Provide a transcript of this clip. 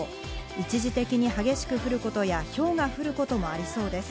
一時的に激しく降ることやひょうが降ることもありそうです。